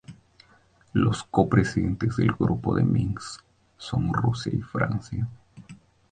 Los Copresidentes del grupo de Minsk son Rusia, Francia.